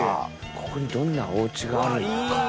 ここにどんなおうちがあるのか。